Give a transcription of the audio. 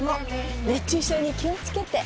熱中症に気をつけて